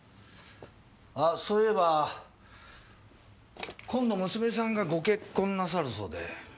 あそういえば今度娘さんがご結婚なさるそうで。